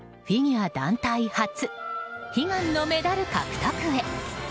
フィギュア団体初悲願のメダル獲得へ。